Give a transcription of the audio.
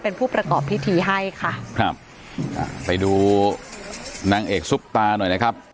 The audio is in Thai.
เป็นผู้ประกอบพิธีให้ค่ะครับอ่าไปดูนางเอกซุปตาหน่อยนะครับ